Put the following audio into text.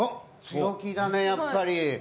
強気だねやっぱり。